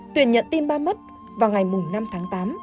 tuyển nhận tin ba mất vào ngày năm tháng tám